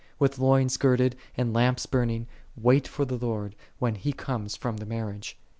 With loins girded, and lamps burning, wait for the Lord, when He cometh from the mar riage.